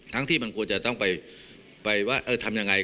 ทั้งที่มันกลัวจะต้องไปว่าทำยังไง